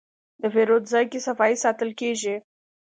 د پیرود ځای کې صفایي ساتل کېږي.